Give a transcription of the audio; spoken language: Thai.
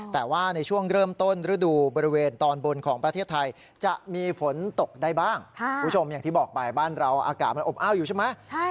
แต่ว่าในช่วงเริ่มต้นฤดูบริเวณตอนบนของประเทศไทยจะมีฝนตกได้บ้างคุณผู้ชมอย่างที่บอกไปบ้านเราอากาศมันอบอ้าวอยู่ใช่ไหม